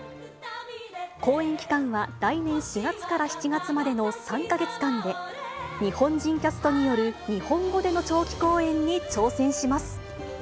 公演期間は来年４月から７月までの３か月間で、日本人キャストによる日本語での長期公演に挑戦します。